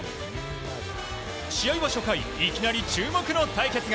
試合は初回いきなり注目の対決が。